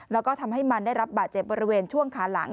แล้วก็ทำให้มันได้รับบาดเจ็บบริเวณช่วงขาหลัง